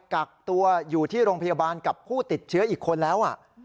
กักตัวอยู่ที่โรงพยาบาลกับผู้ติดเชื้ออีกคนแล้ว